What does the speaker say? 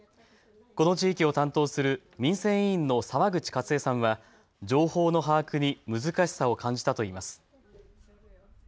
この地域を担当する民生委員の澤口勝江さんは情報の把握に難しさを感じたといいます。